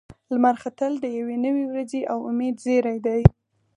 لمر ختل د یوې نوې ورځې او امید زیری دی.